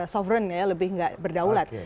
sovereign ya lebih nggak berdaulat